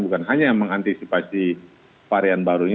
bukan hanya mengantisipasi varian baru ini